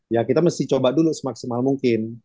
ya kita mesti coba dulu semaksimal mungkin